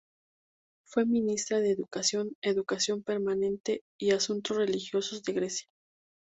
Fue Ministra de Educación, Educación permanente y Asuntos Religiosos de Grecia.